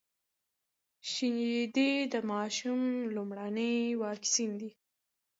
شيدې د ماشوم لومړنی واکسين دی.